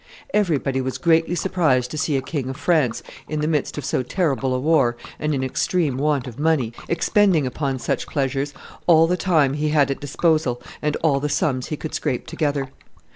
Everybody was greatly surprised to see a King of France, in the midst of so terrible a war and in extreme want of money, expending upon such pleasures all the time he had at disposal and all the sums he could scrape together.